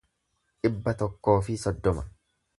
dhibba tokkoo fi soddoma